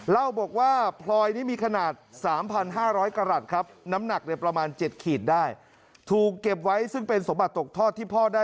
เล่าบอกว่าพรอยนี้มีขนาด๓๕๐๐กรัตต์